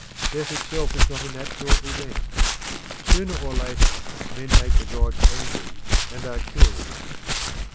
Death itself is not a natural event. Sooner or later men make the gods angry and are killed.